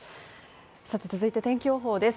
続いて天気予報です。